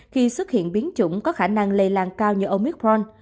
khi xuất hiện biến chủng có khả năng lây lan cao như ôngicron